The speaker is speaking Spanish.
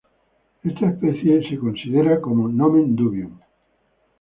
Esta especie es considerada como "nomen dubium".